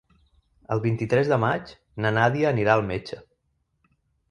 El vint-i-tres de maig na Nàdia anirà al metge.